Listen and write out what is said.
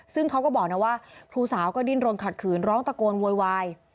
ซึ่งเขาก็บอกนะว่าครูสาวก็ดิ้นรนขัดขืนร้องตะโกนโวยวาย